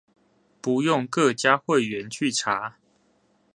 不用各家會員去查